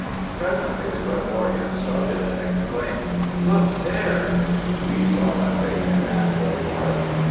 "Presently, the clairvoyante started, and exclaimed, 'Look there!' We saw nothing, and asked what it was.